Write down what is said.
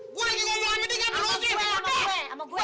gue lagi ngomongan ini gak berusaha bapak